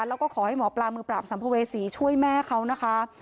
แล้วก็ขอให้หมอปลามือปราบสัมภเวษีช่วยแม่เขานะคะ